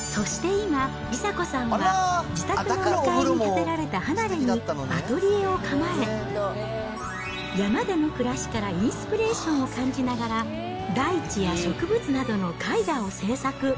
そして今、梨紗子さんは、自宅の向かいに建てられた離れにアトリエを構え、山での暮らしからインスピレーションを感じながら、大地や植物などの絵画を制作。